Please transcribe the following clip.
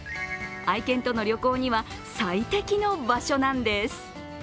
愛犬との旅行には最適の場所なんです。